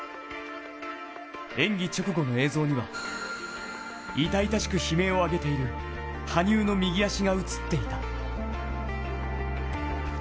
演技直後の映像には痛々しく悲鳴を上げている羽生の右足が映っていた。